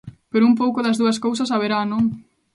Pero un pouco das dúas cousas haberá, non?